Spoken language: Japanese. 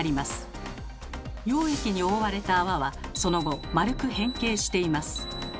溶液に覆われた泡はその後丸く変形しています。